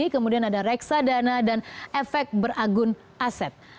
kemudian ada reksadana dan efek beragun aset